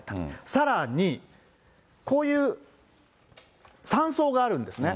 さらに、こういう山荘があるんですね。